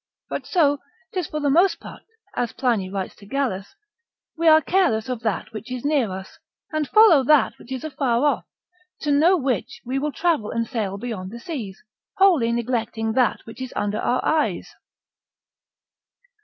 But so 'tis for the most part, as Pliny writes to Gallus, We are careless of that which is near us, and follow that which is afar off, to know which we will travel and sail beyond the seas, wholly neglecting that which is under our eyes.